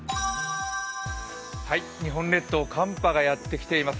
日本列島、寒波がやってきています。